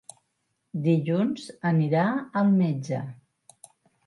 Dilluns anirà al metge.